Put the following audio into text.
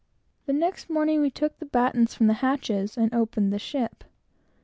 The next morning, we took the battens from the hatches, and opened the ship.